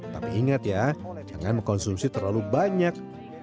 tapi ingat ya jangan mengkonsumsi terlalu banyak